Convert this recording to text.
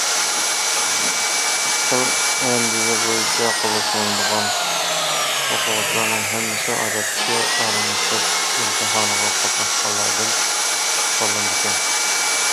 ئىككى خىل ئەندىزە بويىچە قوبۇل قىلىنىدىغان ئوقۇغۇچىلارنىڭ ھەممىسى ئادەتتىكى ئالىي مەكتەپ ئىمتىھانىغا قاتناشقانلاردىن تاللىنىدىكەن.